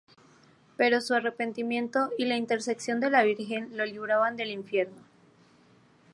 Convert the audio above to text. Pero su arrepentimiento y la intercesión de la Virgen lo libran del Infierno.